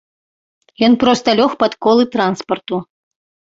Ён проста лёг пад колы транспарту.